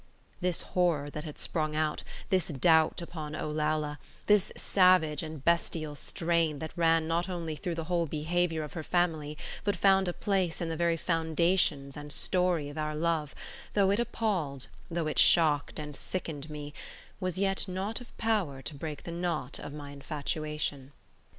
This horror that had sprung out, this doubt upon Olalla, this savage and bestial strain that ran not only through the whole behaviour of her family, but found a place in the very foundations and story of our love—though it appalled, though it shocked and sickened me, was yet not of power to break the knot of my infatuation.